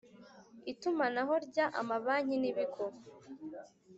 Itumanaho rya Amabanki n ibigo